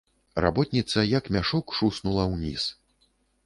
Работніца, як мяшок, шуснула ўніз.